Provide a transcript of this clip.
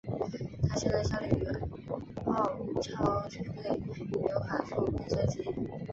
他现在效力于澳超球队纽卡素喷射机。